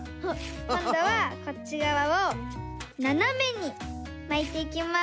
こんどはこっちがわをななめにまいていきます。